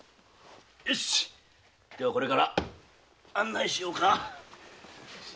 よしではこれから案内しようか。